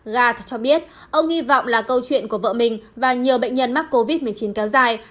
gat cho biết ông hy vọng là câu chuyện của vợ mình và nhiều bệnh nhân mắc covid một mươi chín kéo dài